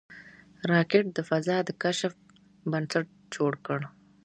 راکټ د فضا د کشف بنسټ جوړ کړ